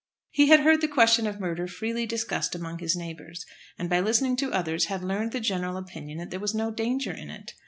He had heard the question of murder freely discussed among his neighbours, and by listening to others had learned the general opinion that there was no danger in it.